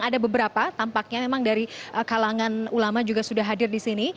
ada beberapa tampaknya memang dari kalangan ulama juga sudah hadir di sini